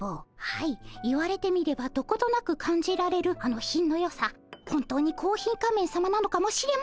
はい言われてみればどことなく感じられるあの品のよさ本当にコーヒー仮面さまなのかもしれません。